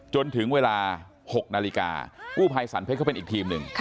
จนถึงเวลา๖นาฬิกากู้ภัยสรรเพชรเขาเป็นอีกทีมหนึ่ง